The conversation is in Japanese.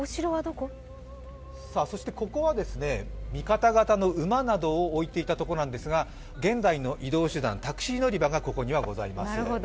ここは味方の馬などを置いていたところなんですが現在の移動手段、タクシー乗り場がここにはございます。